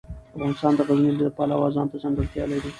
افغانستان د غزني د پلوه ځانته ځانګړتیا لري.